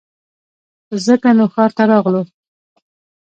ځکه نو ښار ته راغلو